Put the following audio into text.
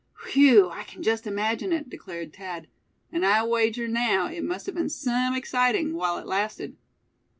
"Whew! I can just imagine it," declared Thad, "and I wager, now, it must have been some exciting while it lasted."